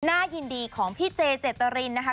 น่ายินดีของพี่เจเจตรินนะคะ